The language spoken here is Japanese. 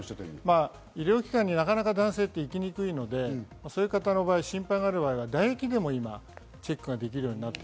医療機関になかなか男性って行きにくいので、そういう方の場合、心配がある場合は、唾液でもチェックができます。